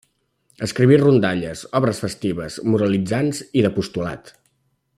Escriví rondalles, obres festives, moralitzants i d'apostolat.